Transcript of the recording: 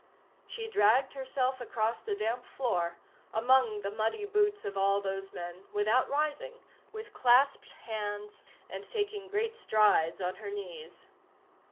She dragged herself across the damp floor, among the muddy boots of all those men, without rising, with clasped hands, and taking great strides on her knees.